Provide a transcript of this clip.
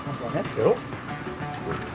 やろ？